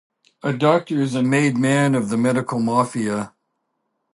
A doctor is a made man of the medical mafia.